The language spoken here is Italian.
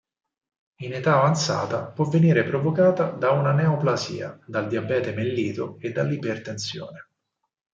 In età avanzata, può venire provocata da una neoplasia, dal diabete mellito e dall'ipertensione.